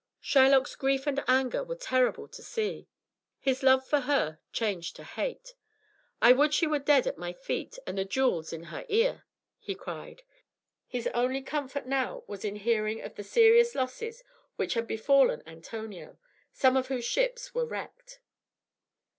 Shylock's grief and anger were terrible to see. His love for her changed to hate. "I would she were dead at my feet and the jewels in her ear," he cried. His only comfort now was in hearing of the serious losses which had befallen Antonio, some of whose ships were wrecked.